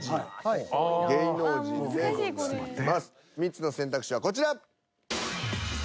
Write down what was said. ３つの選択肢はこちら。